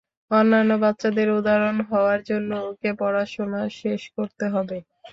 অনান্য বাচ্চাদের উদাহরণ হওয়ার জন্য ওকে পড়াশোনা শেষ করতে হবে।